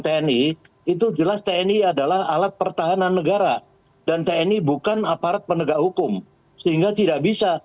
tni itu jelas tni adalah alat pertahanan negara dan tni bukan aparat penegak hukum sehingga tidak bisa